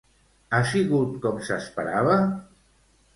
Ha sigut com s'esperava?